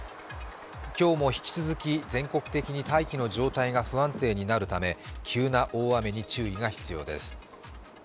今日も引き続き全国的に大気の状態が不安定になるため急な大雨に注意が必要です。